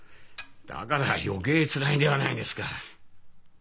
だから余計つらいではないですか。